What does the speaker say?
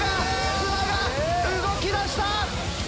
砂が動きだした！